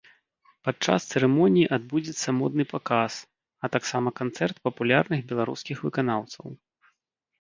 Падчас цырымоніі адбудзецца модны паказ, а таксама канцэрт папулярных беларускіх выканаўцаў.